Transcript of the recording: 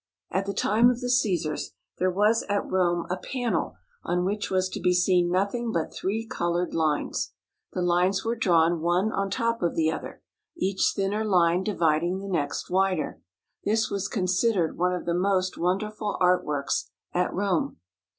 At the time of the Cæsars there was at Rome a panel on which was to be seen nothing but three colored lines. The lines were drawn one on top of the other, each thinner line dividing the next wider. This was considered one of the most wonderful art works at Rome.